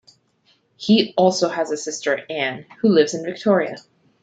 He also has a sister, Anne, who lives in Victoria.